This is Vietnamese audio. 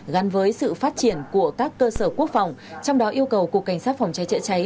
gắn với sự phát triển của các cơ sở quốc phòng trong đó yêu cầu cục cảnh sát phòng cháy chữa cháy